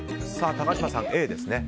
高嶋さん、Ａですね。